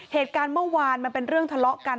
เหตุการณ์เมื่อวานมันเป็นเรื่องทะเลาะกัน